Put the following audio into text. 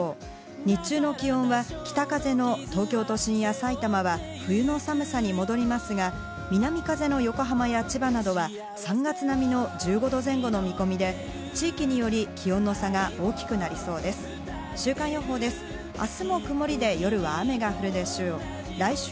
日中の気温は北風の東京都心や埼玉は冬の寒さに戻りますが、南風の横浜や千葉などは、３月並みの１５度前後の見込みで、地域により気温の差が大きくなりそうです。